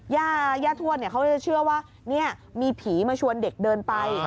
ย่าทวดเขาจะเชื่อว่ามีผีมาชวนเด็กเดินไป